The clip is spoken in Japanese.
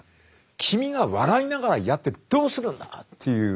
君が笑いながらやってどうするんだ」っていう。